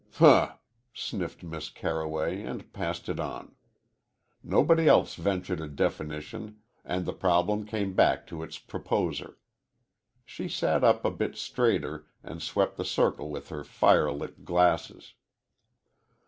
"Humph!" sniffed Miss Carroway, and passed it on. Nobody else ventured a definition and the problem came back to its proposer. She sat up a bit straighter, and swept the circle with her firelit glasses.